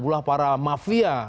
ulah para mafia